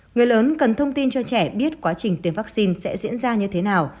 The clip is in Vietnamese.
người lớn cần thông tin cho trẻ biết quá trình tiêm vaccine sẽ diễn ra như thế nào